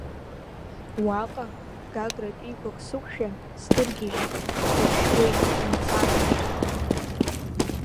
Уаҟа Гагратәиқәак сықәшәан сдыргьежьит, уршьуеит, умцан ҳәа.